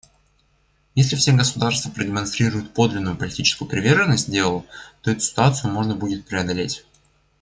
Если все государства продемонстрируют подлинную политическую приверженность делу, то эту ситуацию можно будет преодолеть.